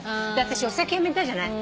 で私お酒やめたじゃない。